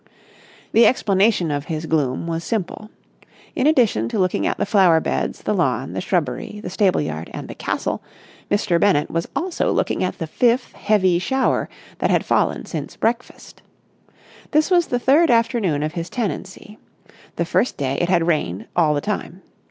The explanation of his gloom was simple. In addition to looking at the flower beds, the lawn, the shrubbery, the stable yard, and the castle, Mr. Bennett was also looking at the fifth heavy shower that had fallen since breakfast. This was the third afternoon of his tenancy. The first day it had rained all the time.